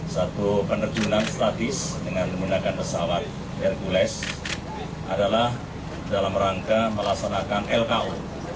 satu penerjunan statis dengan menggunakan pesawat hercules adalah dalam rangka melaksanakan lko